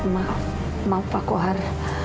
maaf pak kohar